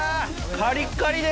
カリッカリです。